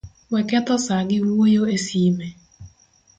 We ketho saa gi wuoyo e sime